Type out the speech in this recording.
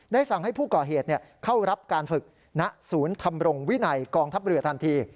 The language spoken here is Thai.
สั่งให้ผู้ก่อเหตุเข้ารับการฝึกณศูนย์ทำรงวินัยกองทัพเรือทันที